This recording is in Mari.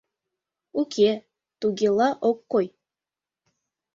Уке, тугела ок кой.